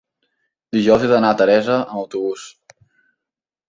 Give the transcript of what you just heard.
Dijous he d'anar a Teresa amb autobús.